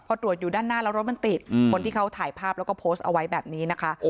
พอตรวจอยู่ด้านหน้าแล้วรถมันติดคนที่เขาถ่ายภาพแล้วก็โพสต์เอาไว้แบบนี้นะคะ